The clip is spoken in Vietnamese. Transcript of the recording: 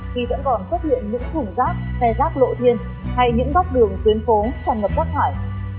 khi vẫn còn xuất hiện những thùng rác xe rác lộ thiên hay những góc đường tuyến phố tràn ngập rác thải